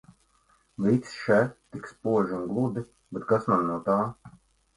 Viss še tik spoži un gludi, bet kas man no tā.